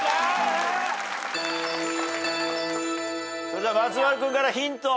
それでは松丸君からヒント。